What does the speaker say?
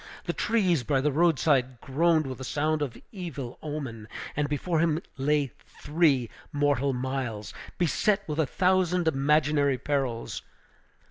The trees by the road side groaned with a sound of evil omen; and before him lay three mortal miles, beset with a thousand imaginary perils.